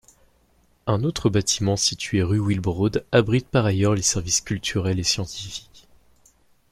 Un autre bâtiment situé rue Wilbrod abrite par ailleurs les services culturel et scientifique.